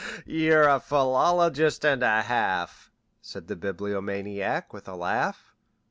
"You're a philologist and a half," said the Bibliomaniac, with a laugh.